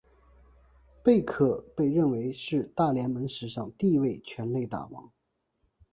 贝克被认为是大联盟史上第一位全垒打王。